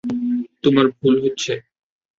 তোমার ভুল হচ্ছে।